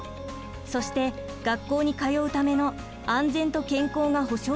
そして学校に通うための安全と健康が保障されること。